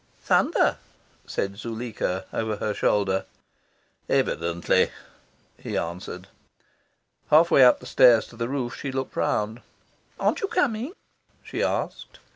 "Thunder," said Zuleika over her shoulder. "Evidently," he answered. Half way up the stairs to the roof, she looked round. "Aren't you coming?" she asked.